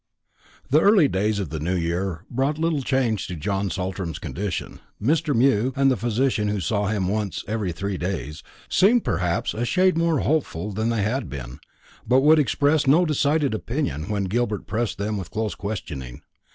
The early days of the new year brought little change in John Saltram's condition. Mr. Mew, and the physician who saw him once in every three days, seemed perhaps a shade more hopeful than they had been, but would express no decided opinion when Gilbert pressed them with close questioning.